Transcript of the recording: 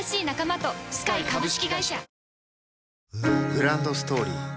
グランドストーリー